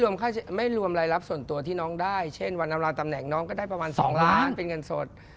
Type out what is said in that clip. ไม่รวมรายรับส่วนตัวที่น้องได้เช่นวันอำราตำแหน่งน้องก็ได้ประมาณ๒ล้านเป็นเงินสด